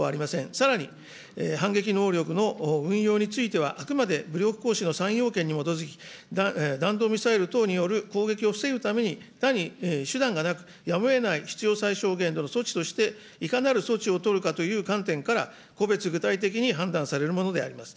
さらに反撃能力の運用については、あくまで武力行使の三要件に基づき、弾道ミサイル等による攻撃を防ぐために他に手段がなく、やむをえない必要最小限度の措置としていかなる措置を取るかという観点から、個別具体的に判断されるものであります。